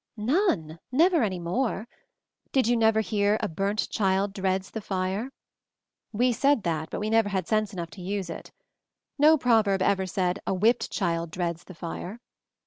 'None. Never any more. Did you never hear 'a burnt child dreads the fire'? We said that, but we never had sense enough to use it. No proverb ever said 'a whipped child dreads the fire'!